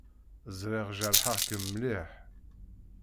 Ẓriɣ jerḥeɣ-kem mliḥ.